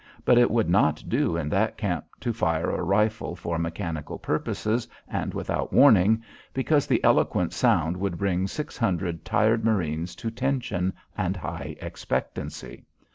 But it would not do in that camp to fire a rifle for mechanical purposes and without warning, because the eloquent sound would bring six hundred tired marines to tension and high expectancy.